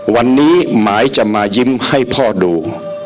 วันนี้หมายจะมายิ้มให้พ่อดู